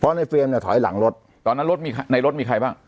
ในเฟรมเนี่ยถอยหลังรถตอนนั้นรถมีในรถมีใครบ้าง